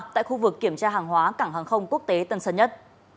tại khu vực kiểm tra hàng hóa cảng hàng không quốc tế tân sơn nhất